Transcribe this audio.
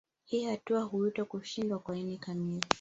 Hii hatua huitwa kushindwa kwa ini kamili